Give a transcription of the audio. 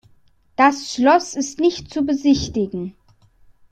Das Schloss ist nicht zu besichtigen.